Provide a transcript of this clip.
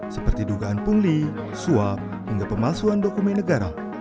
seperti dugaan pungli suap hingga pemalsuan dokumen negara